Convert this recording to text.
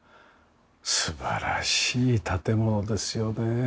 素晴らしい建物ですよねえ。